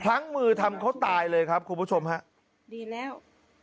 ล้างมือทำเขาตายเลยครับคุณผู้ชมฮะดีแล้ว